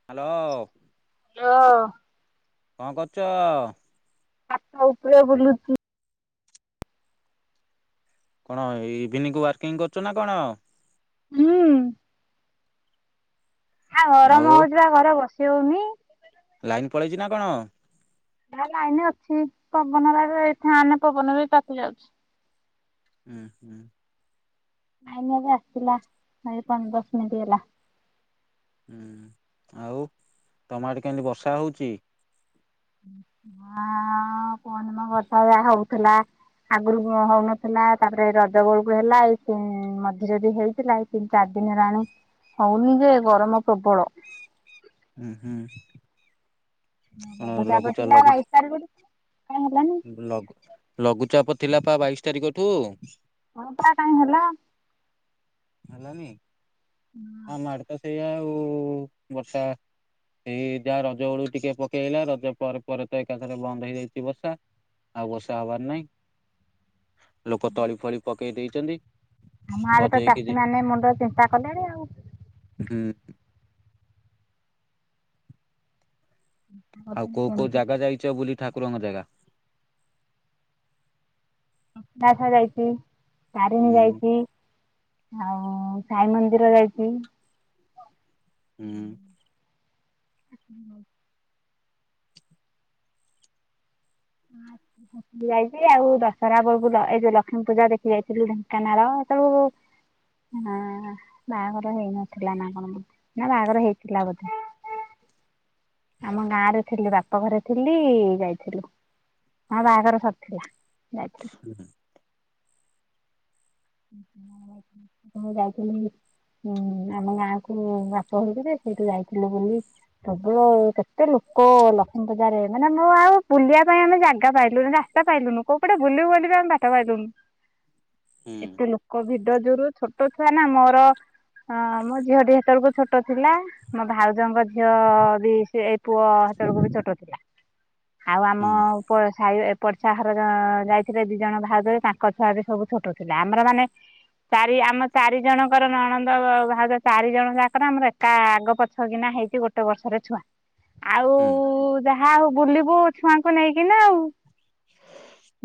Hello ଲୋ କଣ କରୁଛ? ଚ୍ଚାତ ଉପରେ ବୁଲୁଚି। କଣ ଇଭିନିଂ ୱାର୍କିଂ କରୁଛୁ ନା କଣ? ହୁଁ। ଆ ଗରମ ଆଉ ହଉଛି ବା ଘର ବସି ହଉନି। ଲାଇନ୍ ପଳେଇଛି ନା କଣ? ନାଁ ଲାଇନ ଅଛି ପବନ ବା ଫ୍ୟାନ ପବନ ବି ତାତି ଯାଉଛି। ହୁଁ, ହୁଁ। ନାଇନ ଏବେ ଆସିିଲଥିଲା ଆ ପା ଦଶ ମିନିଟ୍ ହେଲା ହୁଁ, ଆଉ ତମ ଆଡେ କେମିତି ବର୍ଷା ହଉଛି। ମା କଣ ମୋ କଥା ଯ ହଉଥିଲା ଆଗରୁ କଣ ହଉନଥିଲା ତାପରେ ରଜ ବଳକୁ ହେଲା ଏଇ ମଝିରେ ବି ହେଇଥିଲା ଏ ତିନି ଚାରି ଦିନ ହେଲାଣି ହଉନି ଯେ ଗରମ ପ୍ରବଳ। ହୁଁ, ହୁଁ। କଣ ଲଘୁଚାପ ଲଘୁଚା ଥିଲା ଲଘୁଚ ବାଇଶ ତାରିଖକୁ କାଇଁ ହେଲାନି? ଲଘୁ ଲଘୁଚାପ ଥିଲା ପା ବାଇଶି ତାରିଖ ଠୁ। ହଁ ବା କାଇଁ ହେଲା। ହେଲାନି। ଆମ ଆଡେ ତ ସେଇଆ ଆଉ ବର୍ଷା ଏଇ ଯାହା ରଜ ବେଳୁ ଟିକେ ପକେଇ ଆଇଲା ରଜ ପରେ ପରେ ତ ଏକାଥରେ ବନ୍ଦ ହେଇଯାଇଛି ବର୍ଷା। ଆଉ ବର୍ଷା ହବାର ନାଇଁ। ଲୋକ ତଳି ଫଳି ପକେଇ ଦେଇଛନ୍ତି, ଗଜେଇ ସେ ମାନେ ମୁଣ୍ଡ ଚିନ୍ତା କଲେଣି ଆଉ। ହୁଁ। ଆଉ କୋଉ କୋଉ କେମିତି ଜାଗା ଯାଇଛ ବୁଲି ଠାକୁରଙ୍କ ଜାଗା? ଦାସା ଯାଇଛି ତାରିଣୀ ହୁଁ ଯାଇଛି ଆଉ ସାଇ ମନ୍ଦିର ଯାଇଛି। ହୁଁ। [inaudible] [inaudible] ଦେଖି ଯାଇଛି ଆଉ ଦଶହରା ବେଳକୁ ଏ ଯଉ ଲକ୍ଷ୍ମୀ ପୂଜା ଦେଖି ଯାଇଥିଲି ଢେଙ୍କାନାଳ, ସେତବେଳକୁ ହଁ, ବାହାଘର ହେଇନଥିଲା ନା କଣ ବୋଧେ ନା ବାହାଘର ହେଇଥିଲା ବୋଧେ। ଆମ ଗାଁରେ ଥିଲି ବାପ ଘରେ ଥିଲି ଇ ଯାଇଥିଲୁ ଆମ ବାହାଘର ସରିଥିଲା। ଯାଇଥିଲୁ। [unintelligible] ହୁଁ ଆମ ଗାଁ କୁ ବାପ ଘରକୁ ଯେ ସେଇଠୁ ଯାଇଥିଲୁ ବୁଲି। ପ୍ରବଳ କେତେ ଲୋକ ଲକ୍ଷ୍ମୀ ପୂଜାରେ ମାନେ ମୁଁ ଆଉ ବୁଲିବା ପାଇଁ ଆମେ ଜାଗା ପାଇଲୁନି ରା ରାସ୍ତା ପାଇଲୁନି କୋଉପଟେ ବୁଲିବୁ ବୋଲି ବି ଆମେ ବାଟ ପାଇଲୁନି। ହୁଁ ଏତେ ଲୋକ ଭିଡ଼ ଯୋରୁ ଛୋଟ ଛୁଆ ନା ମୋର। ହଁ ମୋ ଝିଅଟି ହେତବେଳକୁ ଛୋଟ ଥିଲା ମୋ ଭାଉଜଙ୍କ ଝି ଝିଅ ବି ସିଏ ଏଇ ପୁଅ ହେତବେଳକୁ ବି ଛୋଟ ଥିଲା। ଆଉ ଆମ ହୁଁ ଏପଟ ସାଇର ଏପଟ ଯାହର ଯା ଆ ଆ ଯାଇଥିଲେ ଦିଜଣ ଭାଉଜ ଯେ ତାଙ୍କ ଛୁଆ ବି ସବୁ ଛୋଟ ହେଲା ଆମର ମାନେ ଚାରି ଆମ ଚାରି ଜଣଙ୍କର ନଣନ୍ଦ ଭା ଭାଉଜ ଚାରିଜଣ ଯାକର ଆମର ଏକା ଆଗ ପ ଛ କିନା ହେଇକି ଗୋଟେ ବର୍ଷରେ ଛୁଆ। ଆଉ ଉ ହୁଁ ଉ ଉ ଯାହା ଆଉ ବୁଲିବୁ ଛୁଆଙ୍କୁ ନେଇକି ନା ଆଉ।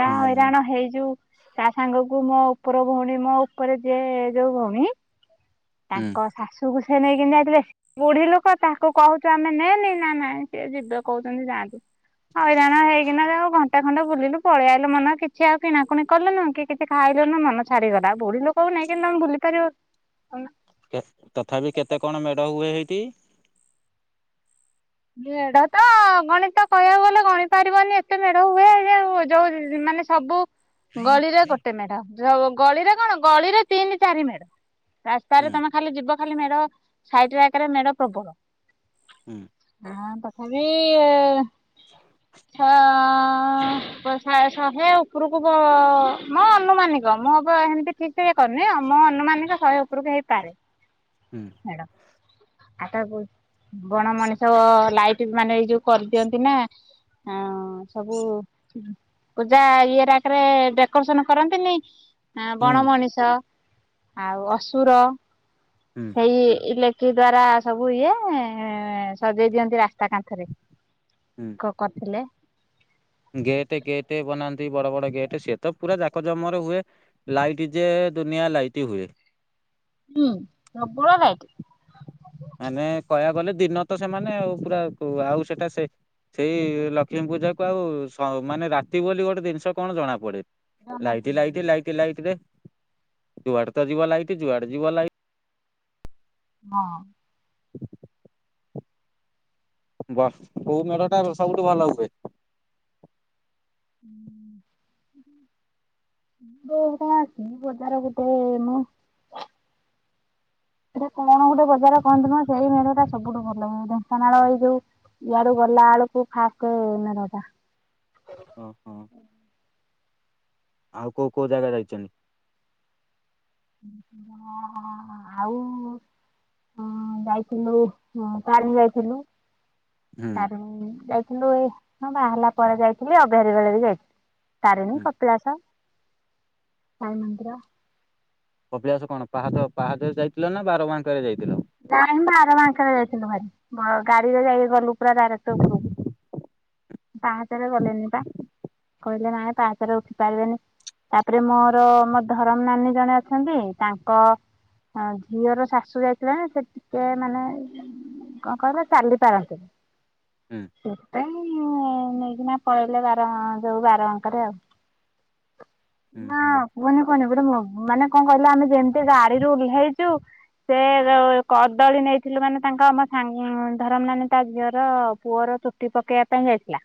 ଯାହା ହୁଁ ହଇରାଣ ହେଇଚୁ ତା ସାଙ୍ଗ କୁ ମୋ ଉପର ଭଉଣୀ ମୋ ଉପରେ ଯିଏ ଯୋଉ ଭଉଣୀ ହୁଁ ତାଙ୍କ ଶାଶୁକୁ ସେ ନେଇକିନି ଯାଇଥିଲେ ବୁଢ଼ି ଲୋକ ତାକୁ କହୁଚୁ ଆମେ ନେନି ନା ନାଇଁ ସେ ଯିବେ କହୁଚନ୍ତି ଯାଆନ୍ତୁ। ହଇରାଣ ହେଇକିନା ଯେ ଆଉ ଘଣ୍ଟେ ଖଣ୍ଡେ ବୁଲିଲୁ ପଳେଇଆଇଲୁ ମନ କିଛି ଆଉ କିଣାକୁଣି କଲୁନୁ କି କିଛି ଖାଇଲୁନୁ ମନ ଛାଡ଼ିଗଲା। ଆଉ ବୁଢ଼ି ଲୋକକୁ ନେଇକିନି ତମେ ବୁଲି ପାରିବ। କେ ତଥାବି କେତେ କଣ ମେଢ଼ ହୁଏ ହେଇଠି? ମେଢ଼ ତ ଅ ଅ ଅଗଣିତ କହିବାକୁ ଗଲେ ଗଣି ପାରିବନି ଏତେ ମେଢ଼ ହୁଏ ଯେ ଯୋଉ ମାନେ ସବୁ ଗଳିରେ ଗୋଟେ ମେଢ଼ ଯୋଉ ଗଳିରେ କଣ ଗଳିରେ ତିନି ଚାରି ମେଢ଼। ରାସ୍ତାରେ ହୁଁ ତମେ ଖାଲି ଯିବ ଖାଲି ମେଢ଼ ସାଇଟ୍ ରାକରେ ମେଢ଼ ପ୍ରବଳ। ହୁଁ। ହଁ ତଥାବି ଇ ଇ ଏଁ ଛଅ ଅଁ ଅଁ ପର ସା ଶହେ ଉପରକୁ ବ ଅ ଅ ମୋ ଅନୁମାନିକ ମୋ ଉପରେ ହେମତି ଠିକ୍ ସେଇଆ କରନି ଆମ ଅନୁମାନିକ ଶହେ ଉପରକୁ ହେଇପାରେ। ହୁଁ। ମେଢ଼। ଆଟା ବୁଲ ବଣ ମଣିଷ ଅ ଅ ଲାଇଟ ମାନେ ଏଇ ଯୋଉ କରିଦିଅନ୍ତି ନା ହଁ ସବୁ ପୂଜା ଇଏ ରାକରେ ଡେକୋରେସନ କରନ୍ତିନି? ଆଁ ବଣ ହୁଁ ମଣିଷ ଆଉ ଅସୁର ହୁଁ ସେଇ ଇଲେକ୍ଟ ଦ୍ଵାରା ସବୁ ଇଏ ଏଁ ଏଁ ଏଁ ସଜେଇ ଦିଅନ୍ତି ରାସ୍ ତା କାନ୍ଥରେ କ କରିଥିଲେ। ଗେଟେ ଗେଟେ ବନାନ୍ତି ବଡ଼ ବଡ଼ ଗେଟେ ସିଏ ତ ପୁରା ଯାକଜମର ହୁଏ। ଲାଇଟି ଯେ ଦୁନିଆ ଲାଇଟି ହୁଏ। ହୁଁ ପ୍ରବଳ ଲାଇଟି। ମାନେ କହିବାକୁ ଗଲେ ଦିନ ତ ସେମାନେ ଆଉ ପୁରା କୁ ଆଉ ସେଟା ସେ ସେଇ ଲକ୍ଷ୍ମୀ ପୂଜା କୁ ଆଉ ସ ମାନେ ରାତି ବୋଲି ଗୋଟେ ଜିନିଷ କଣ ଜଣା ପଡ଼େ। ଜଣା ଲାଇଟି ପଡୁନି। ଲାଇଟି ଲାଇଟି ଲାଇଟିରେ ଯୁଆଡ଼େ ତ ଯିବ ଲାଇଟି ଯୁଆଡ଼େ ଯିବ ଲାଇ ହଁ। ବସ କୋଉ ମେଢଟା ସବୁଠୁ ଭଲ ହୁଏ? [unintelligible] ବଜାର ପଟେ ମୁଁ ଏଇଟା କଣ ଗୋଟେ ବଜାର କହନ୍ତି ମ ସେଇ ମେଢ଼ଟା ସବୁଠୁ ଭଲହୁଏ। ଢେଙ୍କାନାଳ ର ଏଇ ଯୋଉ ଇଆଡୁ ଗଲା ବେଳକୁ ଫାଷ୍ଟ ମେଢ଼ଟା। ହଁ, ହଁ। ଆଉ କୋଉ କୋଉ ଜାଗା ଯାଇଛନ୍ତି? ହଁ, ହଁ ଆଉ। ହଁ ଯାଇଥିଲୁ କାଲି ଯାଇଥିଲୁ। ହୁଁ ତାରିଣୀ ଯାଇଥିଲୁ, ଏଇ ହଁ ବାହାହେଲା ପରେ ଯାଇଥିଲି, ଅଭିୟାରୀ ବେଳ ବି ଯାଇଥିଲି। ତାରଣି, ହୁଁ। କପିଳାସ, ସାଇ ମନ୍ଦିର। କପିଳାସ କଣ ପାହାଚ ପାହାଚରେ ଯାଇଥିଲ ନା ବାରବାଙ୍କରେ ଯାଇଥିଲ? ନାଇଁ ଆରବାଙ୍କରେ ଯାଇଥିଲୁ ଭାରି, ଗାଡିରେ ଯାଇକି ଗଲୁ ପୁରା ଡାଇରେକ୍ଟ ଉପରକୁ। ପାହାଞ୍ଚରେ ଗଲେନି ବା କହିଲେ ନାଇଁ ପାହାଚରେ ଉଠି ପାରିବେନି। ତାପରେ ମୋର ମୋ ଧରମ ନାନୀ ଜଣେ ଅଛନ୍ତି, ତାଙ୍କ ହଁ ଝିଅର ଶାଶୁ ଯାଇଥିଲା ସେ ଟିକେ ମାନେ କଣ କହିଲ ଚାଲି ପାରନ୍ତିନି ହୁଁ। ସେଥିପାଇଁ ମୁଁ ନେଇକିନା ପଳେଇଲେ ବାର ଯାଉ ବାର ବାଙ୍କରେ ଆଉ ହୁଁ ନା ହୁଁ। କୁହନି କୁହନି ଗୋଟେ ମାନେ କଣ କହିଲ ଆମେ ଯେମିତି ଗାଡିରୁ ଓହ୍ଲେଇଛୁ ସେ କଦଳୀ ନେଇଥିଲୁ ମାନେ ତାଙ୍କ ଆମ ସାଙ୍ଗ ଧରମ ନାନି ତା ଝିଅର ପୁଅର ଚୁଟି ପକେଇବା ପାଇଁ ଯାଇଥିଲା।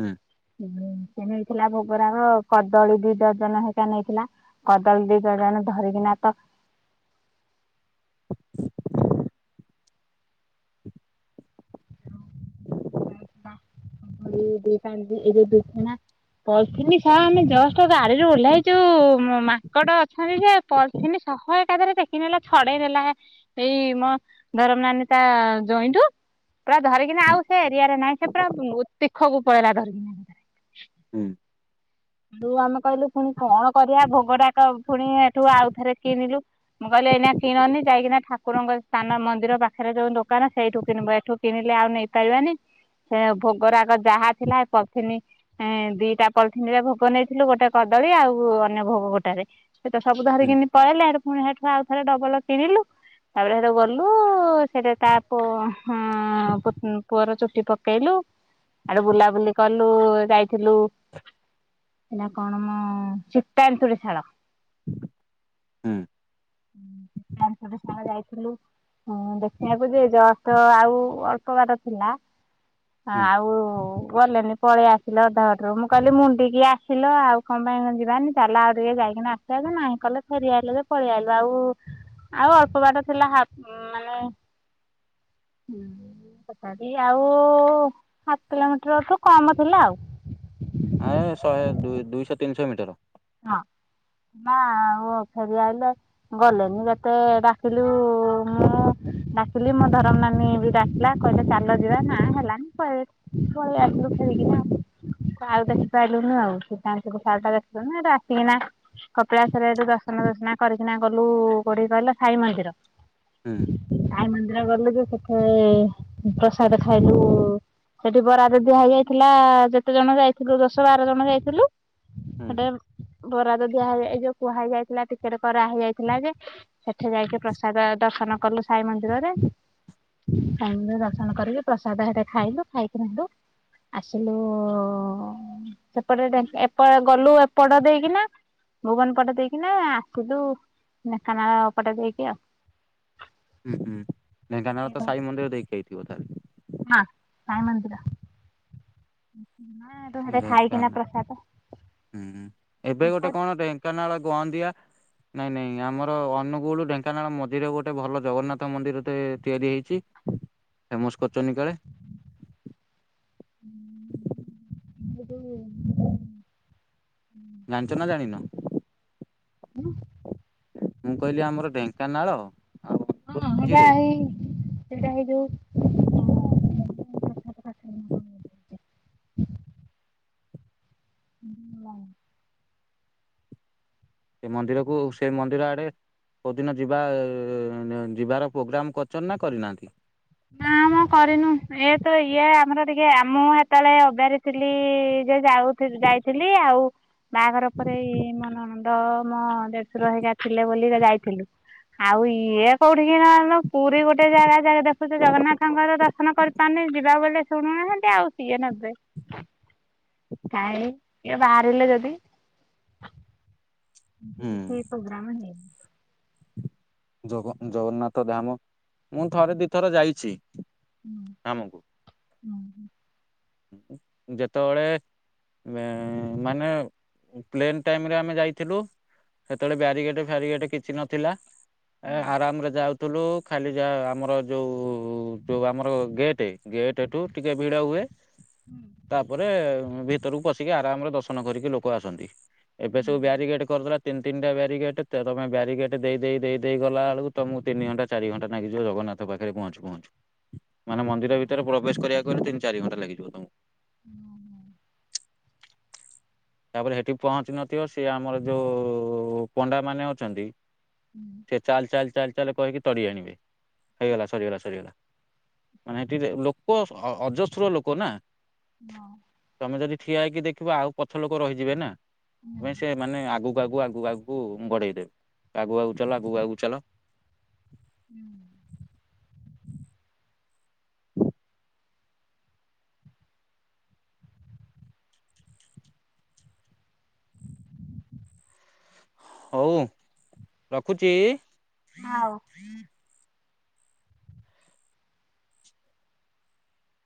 ହୁଁ। ସେ ନେଇଥିଲା ଭୋଗରାଗ କଦଳୀ ଦିଡଜନ ହରିକା ନେଇଥିଲା। କଦଳୀ ଦିଡଜନ ଧରିକିନା ତ [unintelligible] ହଁ ଆମେ ଯଷ୍ଟ ତ ଗାଡିରୁୁ ଓଲାହାଁ ଇଚୁ ମାଙ୍କଡ ଅଛନ୍ତି ଯେ ପଲିଥିନ ଶହ ଏକାଥରେ ଟେକିନେଲା ଛଡେଇ ନେଲା ଏଇ ମୋ ଧରମ ନାନୀ ତା ଜଇଁଠୁ, ପୁରା ଧରିକିନା ଆଉ ନାଇଁ ସେ ପୁରା ତୀଖକୁ ପଳେଇଲା ଧରିକିଁ ହୁଁ। ତୁ ଆମେ କହିଲୁ ପୁଣି କଣ କରିବା ଭୋଗରାଗ ପୁଣି ଏଠୁ ଆଉଥରେ କିଣିଲୁ। ମୁଁ କହିଲି ଏଇନା କିଣନି ଯାଇକିନା ଠାକୁରଙ୍କ ସ୍ଥାନ ମନ୍ଦିର ପାଖରେ ଯୋଉ ଦୋକାନ ସେଇଠୁ କିଣିବ ଏଠୁ କିଣିଲେ ଆଉ ନେଇପାରିବାନି ସେ ଭୋଗରାଗ ଯାହା ଥିଲା ପଲଥିିନୀ ଦିଟା ପଲଥିନୀରେ ଭୋକ ନେଇଥିଲୁ ଗୋଟେ କଦଳୀ ଆଉ ଅନ୍ୟ ଭୋଗ ଗୋଟାରେ ସେ ତ ସବୁ ହୁଁ ଧରିକିନି ପଳେଇଲେ ହେଟୁ ପୁଣି ସେଠୁ ଆଉ ଥରେ ଡବଲ କିଣିଲୁ ତାପରେ ସେଠୁ ଗଲୁ, ସେଠୁ ତା ତାକୁ ହଁ ପୁଅର ଚୁଟି ପକେଇଲୁ, ଆଡେ ବୁଲାବୁଲି କଲୁ ଯାଇଥିଲୁ ସେଟା କଣ ମ ସୀତା ଏନ୍ତୁଡ଼ିଶାଳ। ହୁଁ [unintelligible] ସାଙ୍ଗ ଯାଇଥିଲୁ ହୁଁ ଦେଖିବାକୁ ଯେ ଯଷ୍ଟ ଆଉ ଅଳ୍ପ ବାଟ ଥିଲା। ହୁଁ ଆଉ ଗଲେନି ପଳେଇଆ ଆସିଲ ଅଧବାଟରୁ ମୁଁ କହିଲି ମୁଁଣ୍ଡିକି ଆସିଲ ଆଉ କଣ ପାଇଁ କଣ ଯିବାନି ତାହଲେ ଆଉ ଟିକେ ଯାଇକି ଆସ ନାଇଁ କଲେ ଫେରିଆଲୁ ଯେ ପଳେଇ ଆଲୁ ଆଉ ଆଉ ଅଳ୍ପ ବାଟ ଥିଲା ହାଫ ମାନେ ତଥାବି ଆଉ ହାଫ କିଲୋମିଟରଠୁ କମ ଥିଲା ଆଉ ଏ ଶହେ ଦ ଦୁଇଶହ ତିନିଶହ ମିଟର। ହଁ ହ ଓ ଫେରି ଆଇଲେ। ଗଲେନି ଯେତେ ଡାକିଲୁ ମୁଁ ଡାକିଲି ମୋ ଧରମ ନାନୀ ବି ଡାକିଲା କହିଲେ ଚାଲ ଯିବା ନା ହେଲାନି ପଳେଇ ଆସିଲୁ ଫେରିକି ନାଁ ଆଉ ଦେଖିପାରଲୁନୁ ଆଉ [unintelligible] ସିଧାସଳ ସାଳଟା ଖିଲୁନୁ ହେଠୁ ଆସିକିନା କପିଲାସରେ ହେଠୁ ଦର୍ଶନ ଦୁର୍ଶୁନା କରିକିନା ଗଲୁ କୋଉଠି କହିଲ ସାଇ ମନ୍ଦିର। ହୁଁ। ସାଇ ମନ୍ଦିର ଗଲୁ ଯେ ସେଠେ ପ୍ରସାଦ ଖାଇଲୁ ସେଠି ବରାଦ ଦିଆ ହେଇଯାଇଥିଲା ଯେତେ ଜଣ ଯାଇଥିଲୁ ଦଶ ବାର ଜଣ ଯାଇଥିଲୁ ହୁଁ ସେଟେ ବରାଦ ଦିଆ ହେଇଯାଇଥିଲା କୁହା ହେଇଯାଇଥିଲା ଟିକେଟ କରାହଇ ଯାଇଥିଲା ଯେ ହେଠେ ଯାଇକି ପ୍ରସାଦ ଦର୍ଶନ କଲୁ ସାଇ ମନ୍ଦିରରେ। ଟାଇମରେ ଦର୍ଶନ କରିକି ପ୍ରସାଦ ହେଠେ ଖାଇଲୁ ଖାଇକି ରହିଲୁ। ଆସିଲୁ ସେପଟେ ଢ଼େ ଏପ ଗଲୁ ଏପ ଏପଟ ଦେଇକିନା ଭୁବନ ପଟ ଦେଇକିନା ଆସିଲୁ ଢେଙ୍କାନାଳ ପଟେ ଦେଇକି ଆଉ। ହୁଁ ହୁଁ ଢେଙ୍କାନାଳ ତ ସାଇ ମନ୍ଦିର ଦେଇକି ଆଇଥିବ ତାହେଲେ ହଁ ସାଇ ମନ୍ଦିର ସେଠେ ଖାଇକିନା ଢେଙ୍କାନାଳ ପ୍ରସାଦ ହୁଁ ଏବେ ଗୋଟେ ପ୍ରସାଦ କଣ ଢେଙ୍କାନାଳ ଗନ୍ଦିଆ ନାଇଁ ନାଇଁ ଆମର ଅନୁଗୁଳ ଢେଙ୍କାନାଳ ମଝିରେ ଗୋଟେ ଭଲ ଜଗନ୍ନାଥ ମନ୍ଦିର ତିଆରି ହେଇଛି। ଫେମସ୍ କରିଛନ୍ତି କାଳେ। [inaudible] ଜାଣିଛ ନା ଜାଣିନ? ମୁଁ କହିଲି ଆମର ଢେଙ୍କାନାଳ ହଁ ହଁ ଅନୁଗୁଳ ସହେଇଟା ମଝିରେ ହେଇ ହେଇଟା ହେଇ [inaudible] [inaudible] ସେ ମନ୍ଦିରକୁ ସେଇ ମନ୍ଦିର ଆଡେ କଉଦିନ ଯିବା ଯିବାର ପୋଗ୍ରାମ କରଚନ୍ତିନା କରିନାହାନ୍ତି? [inaudible] କ କରିନୁ ଏ ତ ଇଏ ଆମର ଟିକେ ଆମଁ ଜେତେବେଳେ ଅବିଆରି ଥିଲି ଯେ ଯାଉ ସେଇଠି ଯାଇଥିଲି ଆଉ ବାହାଘର ପରେ ଇ ମୋ ନଣନ୍ଦ ମୋ ଦେଢଶୁର ଘରିକା ଥିଲେ ବୋଲି ଯାଇଥିଲୁ। ଆଉ ଇଏ କୋଉଠିିକି ନହ ପୁରୀ ଗୋଟେ ଜାଗା ଜାଗା ଦେ ଜଗନ୍ନାଥଙ୍କର ଦର୍ଶନ କରିପାରୁନି ଯିବା ବଲେ ଶୁଣୁନାହାନ୍ତି ଆଉ ସିଏ ନେବେ କାଇଁ କିଏ ବାହାରିଲେ ଯଦି ହୁଁ। ଏ ପ୍ରୋଗ୍ରାମ ହେ ଜଗ ଜଗନ୍ନାଥ ଧାମ ମୁଁ ଥରେ ଦିଥର ଯାଇଛି। [inaudible] ଧାମକୁ [inaudible] ଯେତବଳେ ମାନେ ପ୍ଲେନ୍ ଟାଇମରେ ଆମେ ଯାଇଥିଲୁ ସେତେବେଳେ ବ୍ୟାରିଗେଟ ଫ୍ୟାରିଗେଟ କିଛି ନଥିଲା। ଏ ଆରାମରେ ଯାଉଥିଲୁ ଖାଲି ଯାହା ଆମର ଯୋଉ ଯୋଉ ଆମର ଗେଟ୍ ଗେଟ୍ଠୁ ଟିକେ ଭିଡ଼ ହୁଏ। ତାପରେ ଉଁ, ଭିତରକୁ ପଶିକି ଆରାମରେ ଦର୍ଶନ କରିକି ଲୋକ ଆସନ୍ତି। ଏବେ ସବୁ ବ୍ୟାରିଗେଟ୍ କ କରିଦେଲା ତିନ ତିନି ଟା ବ୍ୟାରିଗେଟ, ତେରମା ବ୍ୟାରିଗେଟ ଦେଇ ଦେଇ ଦେଇ ଦେଇ ଗଲା ବେଳକୁ ତୋମକୁ ତିନି ଘଣ୍ଟା ଚାରି ଘଣ୍ଟ ନାଗିିଯିବ ଜଗନ୍ନାଥ ପାଖରେ ପହଞ୍ଚୁ ପହଞ୍ଚୁ। ମାନେ ମନ୍ଦିର ଭିତରେ ପ୍ରବେଶ କରିବାକୁ ହେଲେ ତିନ ଚାରି ଘଣ୍ଟା ଲାଗିଯିବ ତୋମକୁ। [inaudible] ତାପରେ ସେଠି ପହଞ୍ଚିିନଥିବ ସିଏ ଆମର ଯୋଉ ପଣ୍ଡା ମାନେ ଅଛନ୍ତି। ହୁଁ। ସିଏ ଚାଲ ଚାଲ ଚାଲ ଚାଲ କହିକି ତଡ଼ି ଆଣିବେ। ହେଇଗଲା ସରିଗଲା ସରିଗଲା। ମାନେ ସେଠି ଯେ ଲୋକ ସ-ଅ-ଅଜସ୍ର ଲୋକ ନା। ହଁ। ତୋମେ ଯଦି ଠିଆ ହେଇକି ଦେଖିବ ଆଉ ପଛ ଲୋକ ରହିଯିବେ ନା। ତୁମେ ସେ ମାନେ ଆଗକୁ ଆଗୁ ଆଗକୁ ଆଗୁ କୁ ଉଁ, ବଢେଇ ଦେବେ, ଆଗକୁ ଆଗକୁ ଚାଲ ଆଗକୁ ଆଗକୁ ଚାଲ। ହୁଁ। ହଉ ରଖୁଚି। ଆଉ